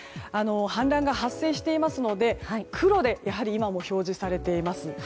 氾濫が発生していますのでやはり、黒で今も表示されています。